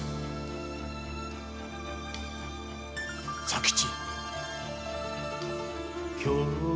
佐吉。